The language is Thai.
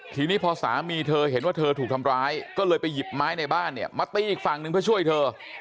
ทีนี้พอสามีเธอเห็นว่าเธอถูกทำร้ายก็เลยไปหยิบไม้ในบ้านเนี่ยมาตีอีกฝั่งหนึ่งเพื่อช่วยเธอ